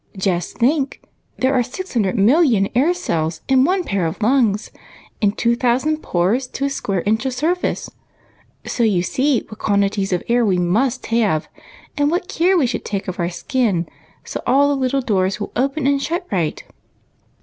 Just think, there are 600,000,000 air cells in one pair of lungs, and 2,000 pores to a square inch of surface ; so you see what quantities of air we must have, and what care we should take of our skin so all the little doors will open and shut right.